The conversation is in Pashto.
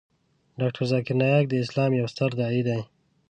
ډاکتر ذاکر نایک د اسلام یو ستر داعی دی .